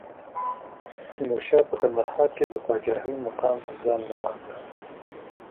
تیمورشاه په کندهار کې د پاچاهۍ مقام ته ځان نوماند کړ.